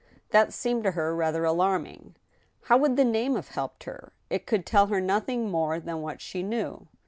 That seemed to her rather alarming. How would the name have helped her ? It could tell her noth ing more than what she knew.